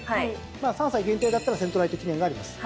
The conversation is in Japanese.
３歳限定だったらセントライト記念があります。